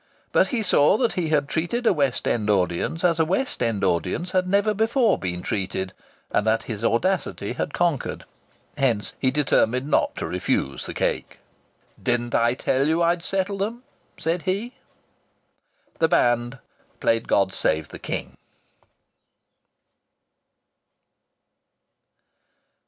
But he saw that he had treated a West End audience as a West End audience had never before been treated, and that his audacity had conquered. Hence he determined not to refuse the cake. "Didn't I tell you I'd settle 'em?" said he. The band played "God Save the King."